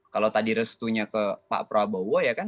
kalau tadi restunya ke pak prabowo ya kan